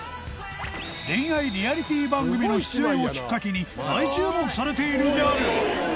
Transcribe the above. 恋愛リアリティ番組の出演をきっかけに大注目されているギャル